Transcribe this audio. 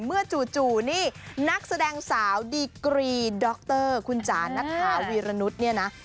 จู่นี่นักแสดงสาวดีกรีดรคุณจ๋าณถาวีรนุษย์เนี่ยนะ